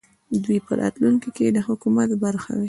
دوی په راتلونکې کې د حکومت برخه وي